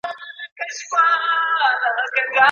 له هغې ویري مي خوب له سترګو تللی